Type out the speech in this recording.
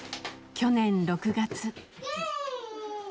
去年６月。